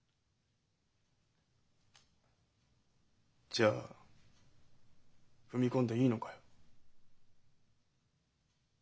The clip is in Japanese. じゃあ踏み込んでいいのかよ？